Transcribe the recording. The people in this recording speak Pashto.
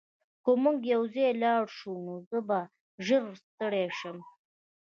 که موږ یوځای لاړ شو نو زه به ژر ستړی شم